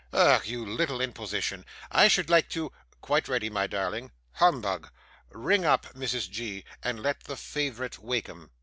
Ugh, you little imposition, I should like to quite ready, my darling, humbug Ring up, Mrs. G., and let the favourite wake 'em.